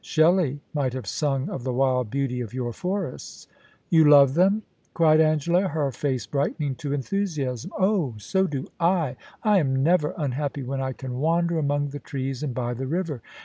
Shelley might have sung of the wild beauty of your forests.* * You love them ?* cried Angela, her face brightening to enthusiasm. * Oh ! so do I. I am never unhappy when I can wander among the trees and by the river.